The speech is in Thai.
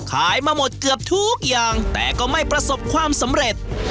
ขายมาหมดเกือบทุกอย่างแต่ก็ไม่ประสบความสำเร็จ